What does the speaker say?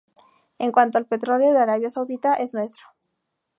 En cuanto al petróleo de Arabia Saudita, es nuestro.